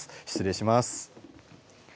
失礼します。